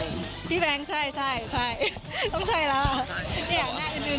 ไอพี่แบงค์ใช่เหมือนต้องใช่แล้ว